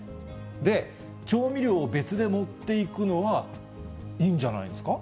で、調味料を別で持っていくのはいいんじゃないですか？